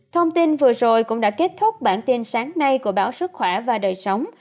thông tin vừa rồi cũng đã kết thúc bản tin sáng nay của báo sức khỏe và đời sống